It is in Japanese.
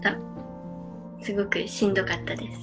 すごくしんどかったです。